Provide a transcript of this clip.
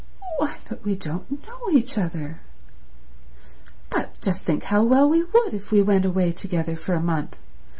"Why, but we don't know each other." "But just think how well we would if we went away together for a month!